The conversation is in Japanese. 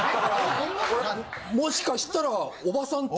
もしかしたらおばさんって。